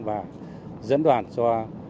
và dẫn đoàn cho